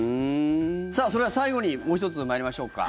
それでは最後にもう１つ参りましょうか。